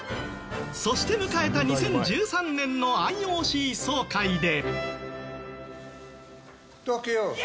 そして迎えた２０１３年のＩＯＣ総会で。